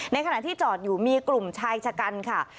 ขณะที่จอดอยู่มีกลุ่มชายชะกันค่ะ